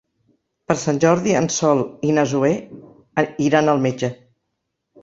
Per Sant Jordi en Sol i na Zoè iran al metge.